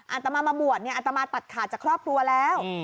อาตมามาบวชเนี่ยอัตมาตัดขาดจากครอบครัวแล้ว